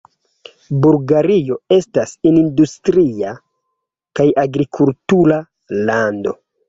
Bulgario estas industria kaj agrikultura lando.